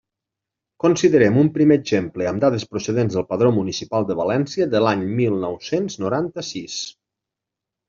Considerem un primer exemple amb dades procedents del Padró Municipal de València de l'any mil nou-cents noranta-sis.